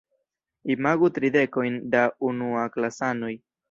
Imagu tri dekojn da unuaklasanoj.